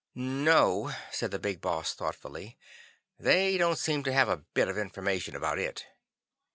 "No," said the Big Boss thoughtfully, "they don't seem to have a bit of information about it."